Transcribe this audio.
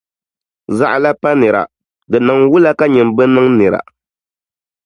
Zaɣila pa nira, di niŋ wula ka nyini bi niŋ nira?